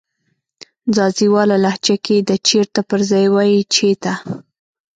ځاځيواله لهجه کې د "چیرته" پر ځای وایې "چیته"